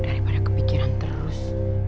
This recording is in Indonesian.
daripada kepikiran terus